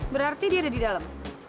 berarti dia ada di dalam